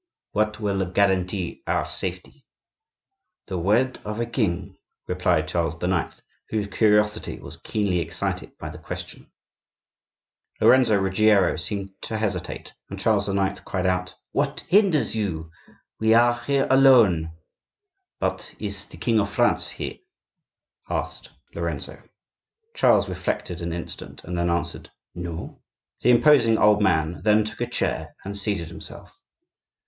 "What will guarantee our safety?" "The word of a king," replied Charles IX., whose curiosity was keenly excited by the question. Lorenzo Ruggiero seemed to hesitate, and Charles IX. cried out: "What hinders you? We are here alone." "But is the King of France here?" asked Lorenzo. Charles reflected an instant, and then answered, "No." The imposing old man then took a chair, and seated himself.